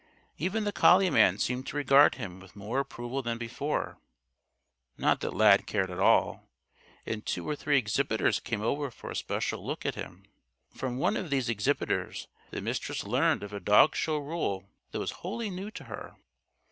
Even the collie man seemed to regard him with more approval than before not that Lad cared at all; and two or three exhibitors came over for a special look at him. From one of these exhibitors the Mistress learned of a dog show rule that was wholly new to her.